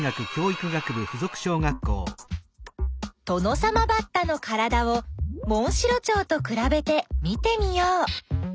トノサマバッタのからだをモンシロチョウとくらべて見てみよう。